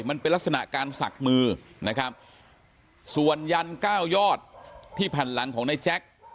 มันเป็นลักษณะการศักดิ์มือนะครับส่วนยันเก้ายอดที่แผ่นหลังของนายแจ๊ค